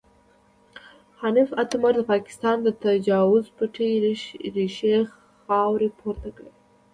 حنیف اتمر د پاکستان د تجاوز پټې ریښې خاورې پورته کړې.